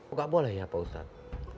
nggak boleh ya pak ustadz